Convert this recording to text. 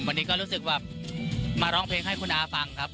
วันนี้ก็รู้สึกแบบมาร้องเพลงให้คุณอาฟังครับ